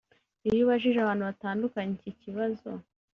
Iyo ubajije abantu batandukanye iki kibazo